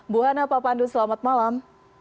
bu hana pak pandu selamat malam